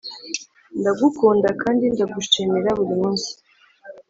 ndagukunda kandi ndagushimira burimunsi